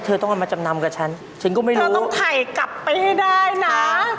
อย่ามาไหวที่รายการนะ